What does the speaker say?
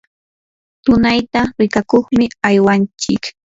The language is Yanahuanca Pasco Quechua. tunayta rikakuqmi aywanchik.